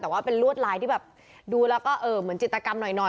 แต่ว่าเป็นลวดลายที่แบบดูแล้วก็เหมือนจิตกรรมหน่อย